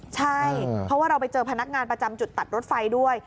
ใช่เพราะว่าเราไปเจอพนักงานประจำจุดตัดรถไฟด้วย